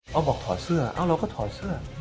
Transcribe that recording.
เขาบอกถอดเสื้อเราก็ถอดเสื้อ